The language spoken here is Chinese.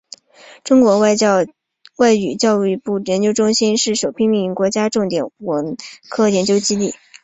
中国外语教育研究中心是首批命名的国家级重点文科研究基地。